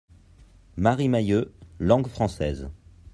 Marie Mahieu, langue française.